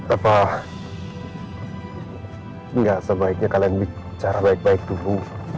apa gak sebaiknya kalian bicara baik baik dulu